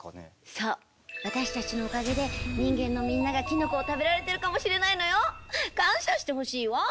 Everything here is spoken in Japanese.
そう私たちのおかげで人間のみんながキノコを食べられてるかもしれないのよ。感謝してほしいわ！